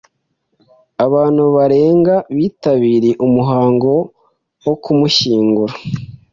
Abantu barenga bitabiriye umuhango wo kumushyingura